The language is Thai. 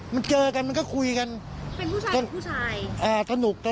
มันเจอกันมันก็คุยกันเป็นผู้ชายเป็นผู้ชาย